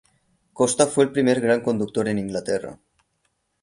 Costa fue el primer gran conductor en Inglaterra.